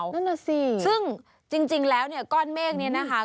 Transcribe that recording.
นั่นน่ะสิซึ่งจริงแล้วเนี่ยก้อนเมฆนี้นะคะ